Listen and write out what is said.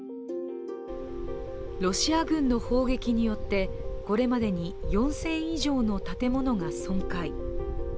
ロシア軍の砲撃によってこれまでに４０００以上の建物が損壊。